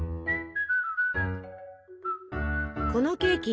このケーキ